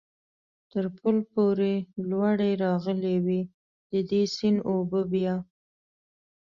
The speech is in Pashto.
تر پل پورې لوړې راغلې وې، د دې سیند اوبه بیا.